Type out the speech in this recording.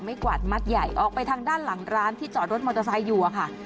กวาดมัดใหญ่ออกไปทางด้านหลังร้านที่จอดรถมอเตอร์ไซค์อยู่อะค่ะ